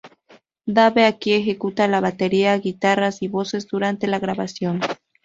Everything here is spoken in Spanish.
Dave aquí ejecuta la batería, guitarras y voces durante la grabación.